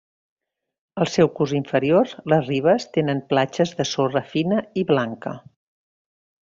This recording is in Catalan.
Al seu curs inferior les ribes tenen platges de sorra fina i blanca.